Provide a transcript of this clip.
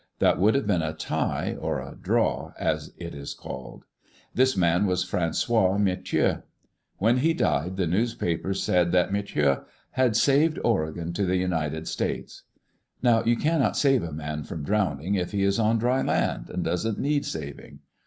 That would have been a "tie," or a "draw," as it is called. This man was Frangois Matthieu. When he died, the newspapers said that Matthieu had "saved Oregon to the United States." Now you cannot save a man from drowning if he is on dry land and doesn't need saving.